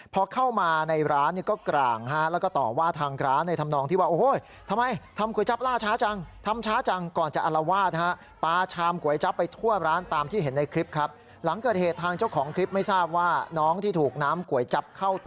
พอเข้ามาในร้านเนี่ยก็กร่างฮะ